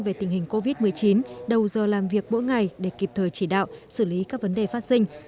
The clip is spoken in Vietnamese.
về tình hình covid một mươi chín đầu giờ làm việc mỗi ngày để kịp thời chỉ đạo xử lý các vấn đề phát sinh